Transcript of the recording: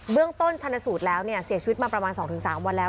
เรื่องต้นชนสูตรแล้วเสียชีวิตมาประมาณ๒๓วันแล้ว